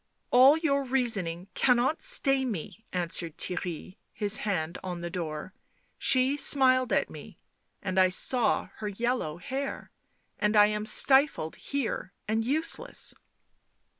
" All your reasoning cannot stay me," answered Theirry, his hand on the door. " She smiled at me ... and I saw her yellow hair ... and I am stifled here and useless."